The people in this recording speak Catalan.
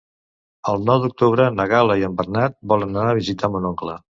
El nou d'octubre na Gal·la i en Bernat volen anar a visitar mon oncle.